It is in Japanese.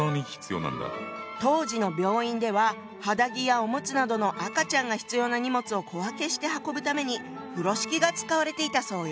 当時の病院では肌着やおむつなどの赤ちゃんが必要な荷物を小分けして運ぶために風呂敷が使われていたそうよ。